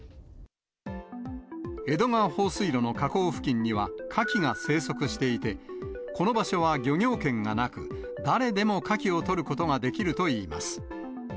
江戸川放水路の河口付近にはカキが生息していて、この場所は漁業権がなく、誰でもカキを取ることができるといいます。